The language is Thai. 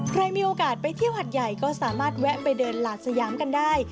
ใครมีโอกาสไปเที่ยวหัดใหญ่ก็สามารถแวะไปเดินหลาดสยามกันได้